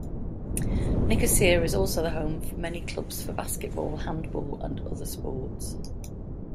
Nicosia is also the home for many clubs for basketball, handball and other sports.